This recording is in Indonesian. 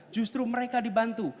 justru mereka dibantu